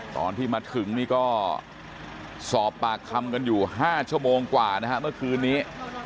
ตอนที่มาถึงนี่ก็สอบปากคำกันอยู่๕ชั่วโมงกว่านะฮะเมื่อคืนนี้